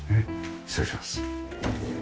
失礼します。